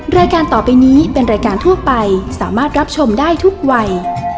รายการต่อไปนี้เป็นรายการทั่วไปสามารถรับชมได้ทุกวัย